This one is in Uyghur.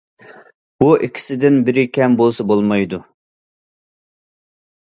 بۇ ئىككىسىدىن بىرى كەم بولسا بولمايدۇ.